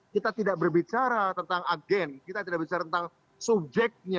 kita tidak berbicara tentang agen kita tidak bicara tentang subjeknya